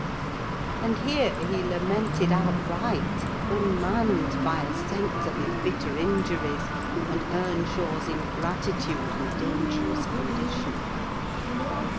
and here he lamented outright; unmanned by a sense of his bitter injuries, and Earnshaw's ingratitude and dangerous condition.